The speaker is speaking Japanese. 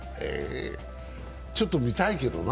ちょっと見たいけどな。